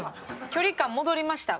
距離感戻りました